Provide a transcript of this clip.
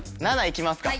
７いきますか。